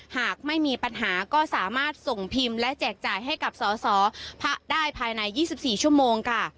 หากไม่มีปัญหาก็สามารถส่งพิมพ์และแจกจ่ายให้กับสอสอพักได้ภายใน๒๔ชั่วโมงค่ะ